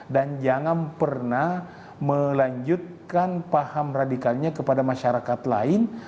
dan jangan pernah melanjutkan paham radikalnya kepada masyarakat lain